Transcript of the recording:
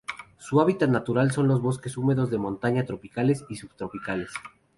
Su hábitat natural son los bosques húmedos de montaña tropicales y subtropicales.